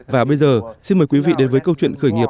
và bây giờ xin mời quý vị đến với câu chuyện khởi nghiệp